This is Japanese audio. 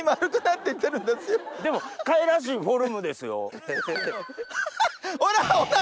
でもかわいらしいフォルムですよ。